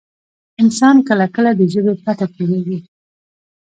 انسان کله کله د ژبې پرته پوهېږي.